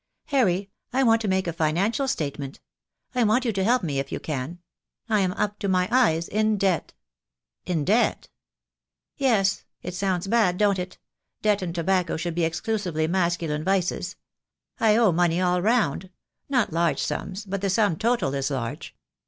"Harry, I want to make a financial statement. I want you to help me if you can. I am up to my eyes in debt." "In debt?" "Yes. It sounds bad, don't it? Debt and tobacco should be exclusively masculine vices. I owe money all round — not large sums — but the sum total is large.